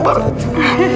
ini beneran kamu hamil